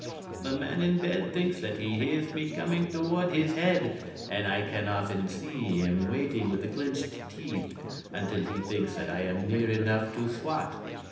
"The man in bed thinks that he hears me coming toward his head, and I can often see him, waiting with clenched teeth until he thinks that I am near enough to swat.